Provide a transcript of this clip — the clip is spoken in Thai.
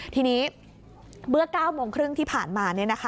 ทีนี้เมื่อ๙โมงครึ่งที่ผ่านมา